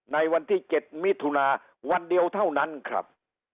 ในวันที่๗มิถุนาวันเดียวเท่านั้นครับ